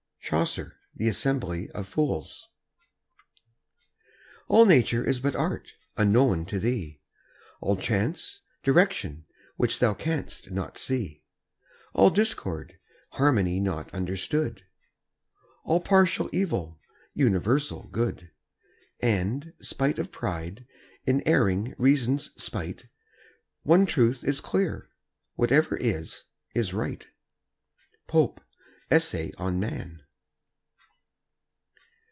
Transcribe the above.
Chaucer, "The Assembly of Foules." All Nature is but art, unknown to thee; All chance, direction, which thou canst not see; All discord, harmony not understood; All partial evil, universal good; And, spite of pride, in erring reason's spite, One truth is clear, whatever is, is right. Pope, "Essay on Man."